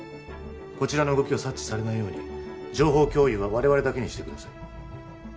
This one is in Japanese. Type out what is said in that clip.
こちらの動きを察知されないように情報共有は我々だけにしてください